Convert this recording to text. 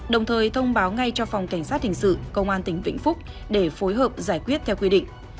đồng thời thông báo ngay cho phòng cảnh sát hình sự công an tỉnh vĩnh phúc để phối hợp giải quyết theo quy định